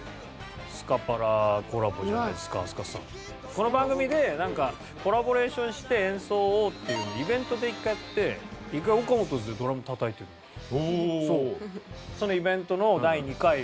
この番組でなんかコラボレーションして演奏をっていうのをイベントで一回やって一回ＯＫＡＭＯＴＯ’Ｓでドラムたたいてるんですよ。